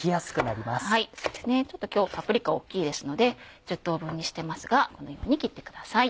そうですねちょっと今日パプリカ大っきいですので１０等分にしてますがこのように切ってください。